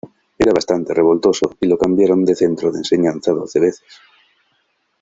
Era bastante revoltoso, y lo cambiaron de centro de enseñanza doce veces.